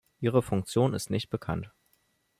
Ihre Funktion ist nicht bekannt.